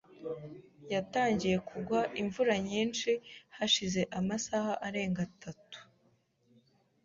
Yatangiye kugwa imvura nyinshi hashize amasaha arenga atatu .